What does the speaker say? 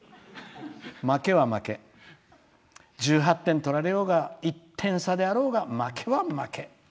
負けは負け、１８点取られようが１点差であろうが負けは負け。